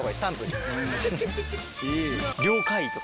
「了解」とか。